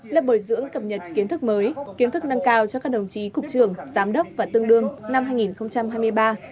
lớp bồi dưỡng cập nhật kiến thức mới kiến thức nâng cao cho các đồng chí cục trưởng giám đốc và tương đương năm hai nghìn hai mươi ba